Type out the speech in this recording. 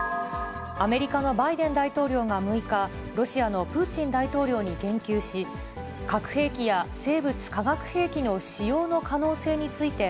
アメリカのバイデン大統領が６日、ロシアのプーチン大統領に言及し、核兵器や生物・化学兵器の使用の可能性について、